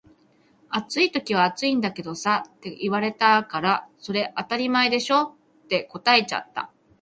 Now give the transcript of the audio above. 「暑い時は暑いんだけどさ」って言われたから「それ当たり前でしょ」って答えちゃった